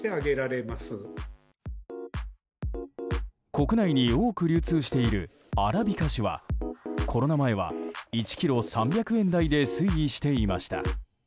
国内に多く流通しているアラビカ種はコロナ前は１ｋｇ３００円台で推移していました。